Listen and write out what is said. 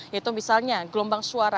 yaitu misalnya gelombang suara